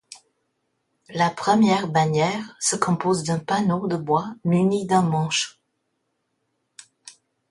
La première bannière se compose d'un panneau de bois muni d'un manche.